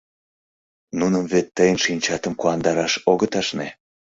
Нуным вет тыйын шинчатым куандараш огыт ашне.